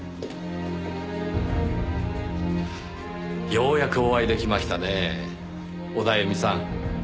ようやくお会いできましたねぇオダエミさん。